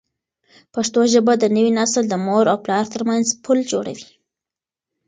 پښتو ژبه د نوي نسل د مور او پلار ترمنځ پل جوړوي.